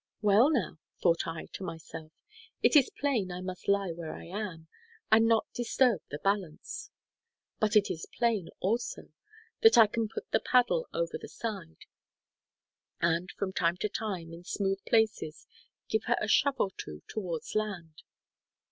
"Well, now," thought I to myself, "it is plain I must lie where I am, and not disturb the balance; but it is plain, also, that I can put the paddle over the side, and from time to time, in smooth places, give her a shove or two towards land."